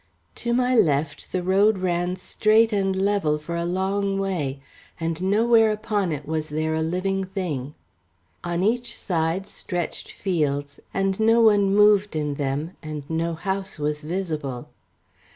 To my left, the road ran straight and level for a long way, and nowhere upon it was there a living thing; on each side stretched fields and no one moved in them, and no house was visible.